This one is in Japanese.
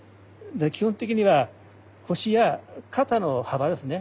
基本的には腰や肩の幅ですね。